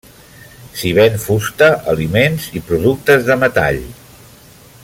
S'hi ven fusta, aliments i productes de metall.